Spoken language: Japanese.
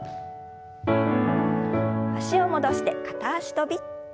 脚を戻して片脚跳び。